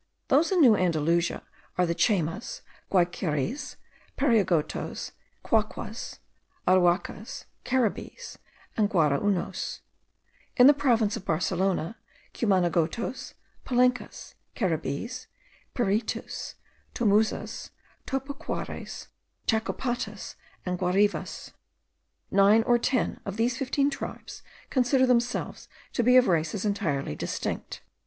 Those in New Andalusia are the Chaymas, Guayqueries, Pariagotos, Quaquas, Aruacas, Caribbees, and Guaraunos; in the province of Barcelona, Cumanagotos, Palenkas, Caribbees, Piritus, Tomuzas, Topocuares, Chacopatas, and Guarivas. Nine or ten of these fifteen tribes consider themselves to be of races entirely distinct.